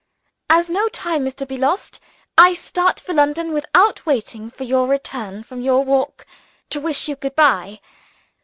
As no time is to be lost, I start for London without waiting for your return from your walk to wish you good bye.